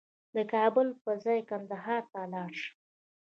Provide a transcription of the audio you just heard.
د کابل په ځای کندهار ته لاړ شه